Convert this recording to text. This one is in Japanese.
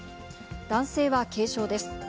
男性は軽傷です。